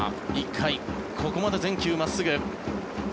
１回、ここまで全球真っすぐ。